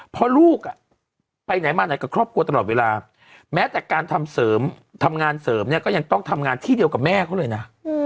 เพราะลูกไปไหนมาไหนกับครอบครัวตลอดเวลาแม้แต่การทำงานเสริมเนี่ยก็ยังต้องทำงานที่เดียวกับแม่เขาเลยนะ